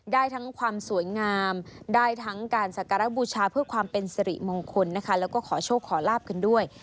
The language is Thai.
ได้ทั้งความสวยงามได้ทั้งการสักการะบูชาเพื่อความเป็นสิริมงคลนะคะแล้วก็ขอโชคขอลาบกันด้วย